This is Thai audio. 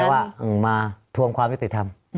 ว่ามาทวงความยุติธรรม